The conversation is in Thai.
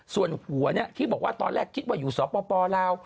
ส่วนหัวเนี่ยที่บอกว่าตอนแรกคิดว่าอยู่สระปอล์ราว